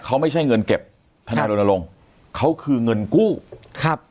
เขาไม่ใช่เงินเก็บทนายรณรงค์เขาคือเงินกู้ครับ